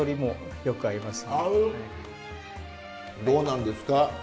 どうなんですか？